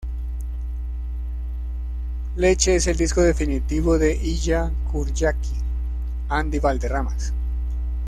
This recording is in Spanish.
Leche es el disco definitivo de Illya Kuryaki and the Valderramas.